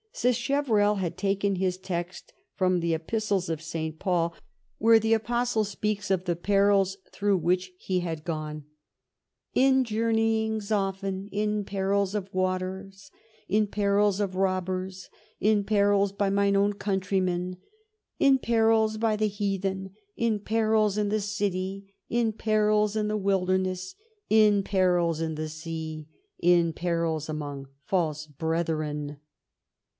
Sacheverell had taken his text from the Epistles of St. Paul, where the Apostle speaks of the perils through which he had gone. " In joumeyings often, in perils oi waters, in perils of robbers, in perils by mine own countrymen, in perils by the heathen, in perils in the city, in perils in the wilderness, in perils in the sea, in perils among false brethren."